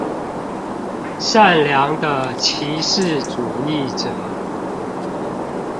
善良的歧視主義者